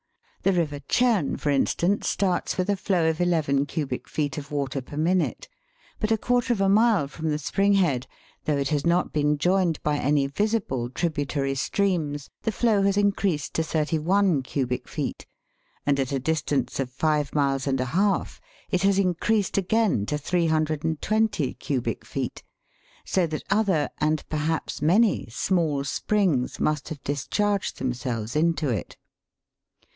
The river Churn, for instance, starts with a flow of eleven cubic feet of water per minute ; but a quarter of a mile from the spring head, though it has not been joined by any visible tributary streams, the flow has increased to thirty one cubic feet, and at a distance of five miles and a half it has in creased again to 320 cubic feet, so that other and perhaps many small springs must have discharged themselves in to it.